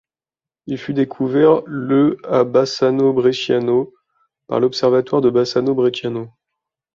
Il fut découvert le à Bassano Bresciano par l'observatoire de Bassano Bresciano.